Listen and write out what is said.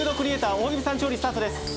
大宜見さん調理スタートです